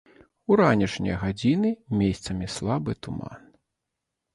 У ранішнія гадзіны месцамі слабы туман.